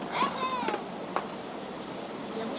สวัสดีครับทุกคน